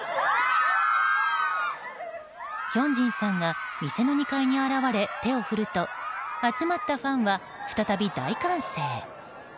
ヒョンジンさんが店の２回に現れ手を振ると集まったファンは、再び大歓声。